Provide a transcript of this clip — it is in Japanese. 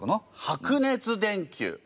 白熱電球。